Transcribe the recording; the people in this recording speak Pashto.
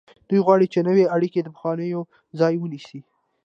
دوی غواړي چې نوې اړیکې د پخوانیو ځای ونیسي.